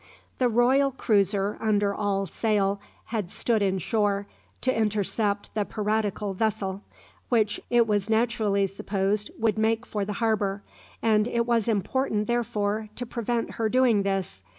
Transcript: The royal cruiser under all sail had stood in shore, to intercept the piratical vessel, which it was naturally supposed would make for the harbour, and it was important therefore to prevent her doing this.